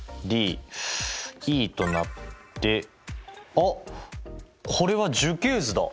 あっこれは樹形図だ！